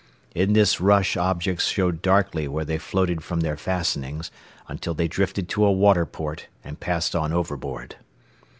In this rush objects showed darkly where they floated from their fastenings until they drifted to a water port and passed on overboard.